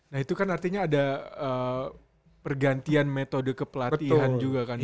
nah itu kan artinya ada pergantian metode kepelatihan juga kan